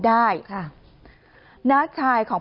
ไปเยี่ยมผู้แทนพระองค์